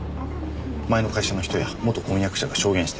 前の会社の人や元婚約者が証言しています。